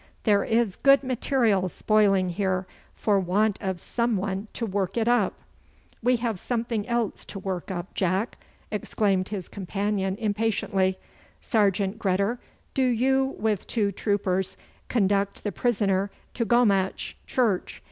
There is good material spoiling here for want of some one to work it up.' 'We have something else to work up, Jack,' exclaimed his companion impatiently. 'Sergeant Gredder, do you with two troopers conduct the prisoner to Gommatch Church.